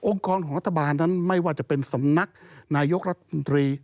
กรของรัฐบาลนั้นไม่ว่าจะเป็นสำนักนายกรัฐมนตรี